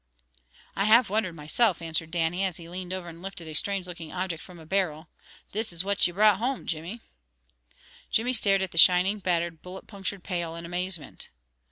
"I have wondered mysel'," answered Dannie, as he leaned over and lifted a strange looking object from a barrel. "This is what ye brought home, Jimmy." Jimmy stared at the shining, battered, bullet punctured pail in amazement.